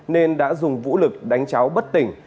nên đã dùng vũ lực đánh cháu bất tỉnh